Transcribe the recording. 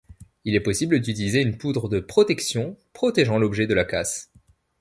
Il est possible d'utiliser une Poudre de Protection, protégeant l'objet de la casse.